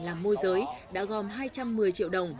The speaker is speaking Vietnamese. làm môi giới đã gom hai trăm một mươi triệu đồng